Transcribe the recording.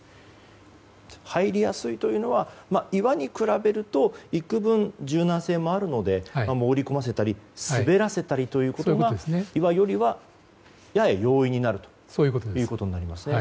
入りやすいというのは岩に比べるといくぶん柔軟性もあるので潜り込ませたり、滑らせたりということが岩よりはやや容易になるということになりますね。